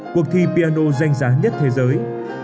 cuộc thi piano danh giá nhất thế giới